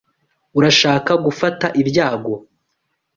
Urashaka gufata ibyago?